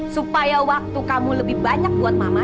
supaya waktu kamu lebih banyak buat mama